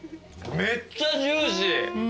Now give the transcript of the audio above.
めっちゃジューシー。